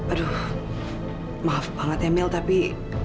aduh maaf banget ya mil tapi